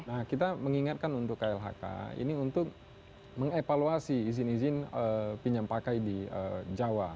nah kita mengingatkan untuk klhk ini untuk mengevaluasi izin izin pinjam pakai di jawa